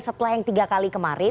setelah yang tiga kali kemarin